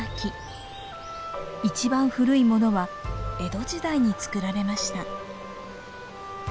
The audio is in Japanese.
一番古いものは江戸時代につくられました。